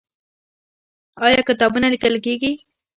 آیا کتابونه لیکل کیږي؟